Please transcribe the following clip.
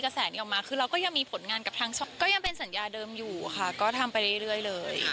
แสนี้ออกมาคือเราก็ยังมีผลงานกับทางช่องก็ยังเป็นสัญญาเดิมอยู่ค่ะก็ทำไปเรื่อยเลย